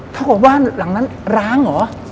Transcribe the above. กับบ้านหลังนั้นร้างเหรอ